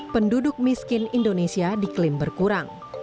penduduk miskin indonesia diklaim berkurang